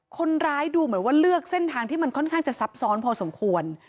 คนร้ายดูเหมือนว่าเลือกเส้นทางที่มันค่อนข้างจะซับซ้อนพอสมควร